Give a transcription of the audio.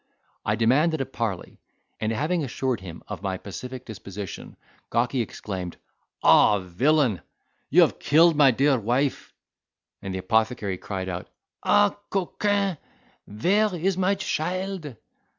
I demanded a parley: and having assured him of my pacific disposition, Gawky exclaimed, "Ah, villain! you have killed my dear wife." And the apothecary cried, "Ah, coquin! vere is my shild?"